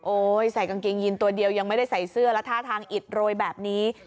ใส่กางเกงยินตัวเดียวยังไม่ได้ใส่เสื้อและท่าทางอิดโรยแบบนี้